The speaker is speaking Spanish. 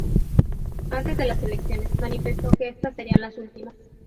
Antes de las elecciones, manifestó que estas serían las últimas.